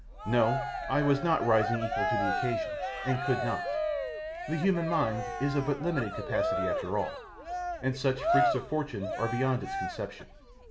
No, I was not rising equal to the occasion, and could not. The human mind is of but limited capacity after all, and such freaks of fortune are beyond its conception.